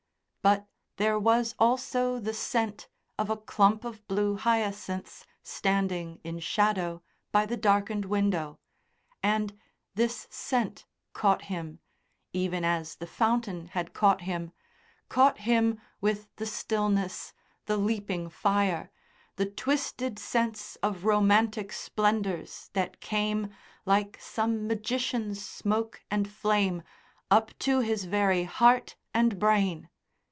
But there was also the scent of a clump of blue hyacinths standing in shadow by the darkened window, and this scent caught him, even as the fountain had caught him, caught him with the stillness, the leaping fire, the twisted sense of romantic splendours that came, like some magician's smoke and flame, up to his very heart and brain.